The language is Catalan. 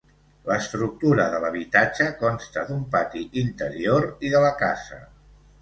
L’estructura de l’habitatge consta d’un pati interior i de la casa.